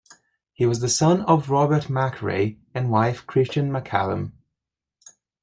He was the son of Robert Machray, and wife Christian Macallum.